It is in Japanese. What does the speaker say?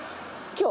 今日？